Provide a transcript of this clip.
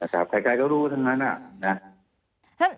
ไม่หยุดนะใครก็รู้ทั้งนั้นนะ